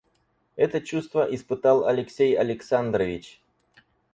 Это чувство испытал Алексей Александрович.